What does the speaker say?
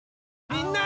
みんな！